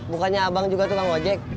bukannya abang juga tukang ojek